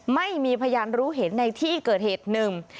ไม่มีพยานรู้เห็นในที่เกิดเหตุหนึ่ง